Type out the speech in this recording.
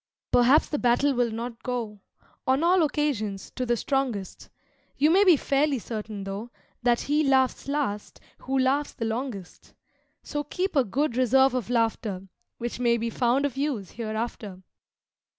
Perhaps the battle will not go, On all occasions, to the strongest; You may be fairly certain tho' That He Laughs Last who laughs the Longest. So keep a good reserve of laughter, Which may be found of use hereafter.